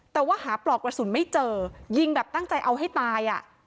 แต่ว่าหาปลอกกระสุนไม่เจอยิงแบบตั้งใจเอาให้ตายอ่ะ